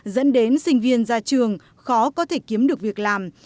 dẫn đến sinh viên ra trường khó có thể kiếm được việc làm